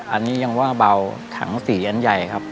อันนี้ยังว่าเบาถังสีอันใหญ่ครับ